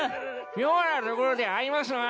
妙なところで会いますなぁ。